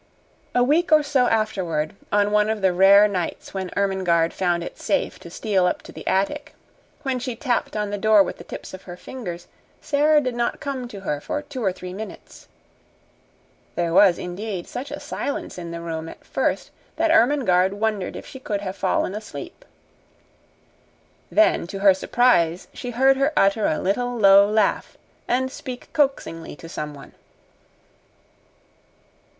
A week or so afterward, on one of the rare nights when Ermengarde found it safe to steal up to the attic, when she tapped on the door with the tips of her fingers Sara did not come to her for two or three minutes. There was, indeed, such a silence in the room at first that Ermengarde wondered if she could have fallen asleep. Then, to her surprise, she heard her utter a little, low laugh and speak coaxingly to someone.